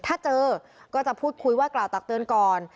ถ้าเจอก็จะพูดคุยว่ากล่าวตักเตือนก่อน